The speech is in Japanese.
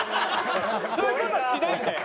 そういう事はしないんだよ